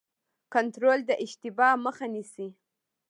کنټرول د اشتباه مخه نیسي